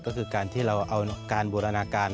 ก็คือการที่เราเอาการบูรณาการ